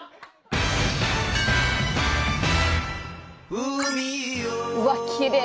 うわっきれい！